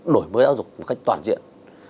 đổi mới giáo dục một cách toàn diện